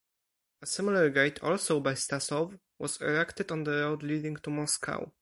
A similar gate, also by Stasov, was erected on the road leading to Moscow.